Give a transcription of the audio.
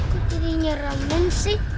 kok dirinya ramen sih